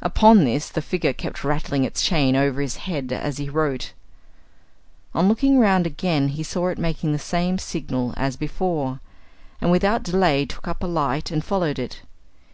Upon this the figure kept rattling its chains over his head as he wrote. On looking round again, he saw it making the same signal as before, and without delay took up a light and followed it.